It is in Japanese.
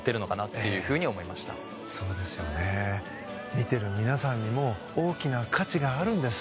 見てる皆さんにも大きな価値があるんです。